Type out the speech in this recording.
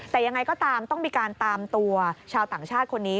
แต่ยังไงก็ตามต้องมีการตามตัวชาวต่างชาติคนนี้